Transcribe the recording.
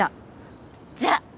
じゃあ。